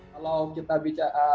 kalau kita bicara